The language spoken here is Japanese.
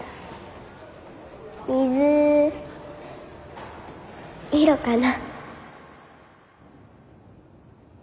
水色かな。